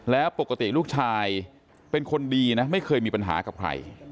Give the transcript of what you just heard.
แล้วปกติลูกชายเป็นคนดีนะไม่เคยมีปัญหากับใคร